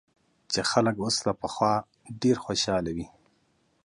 چې خلک اوس له پخوا ډېر خوشاله وي